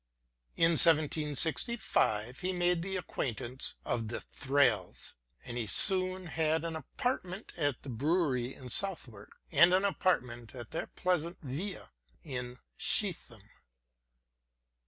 In 1765 he made the acquaintance of the Thrales, and he soon had an apartment at the Brewery in Southwark and an apartment at their pleasant villa at Streatham.